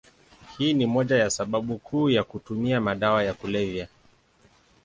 Hii ni moja ya sababu kuu ya kutumia madawa ya kulevya.